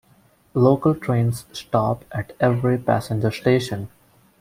Local trains stop at every passenger station.